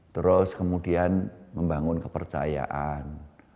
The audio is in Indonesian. terus kemudian membangun kepercayaan